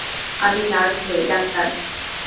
আমি নার্স নই, ডাক্তার।